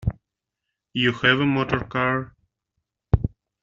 You have a motor-car?